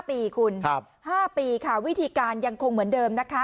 ปีคุณ๕ปีค่ะวิธีการยังคงเหมือนเดิมนะคะ